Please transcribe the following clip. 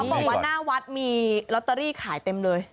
บอกว่าหน้าวัดมีลอตเตอรี่ขายเต็มเลย